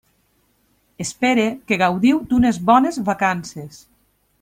Espero que gaudiu d'unes bones vacances.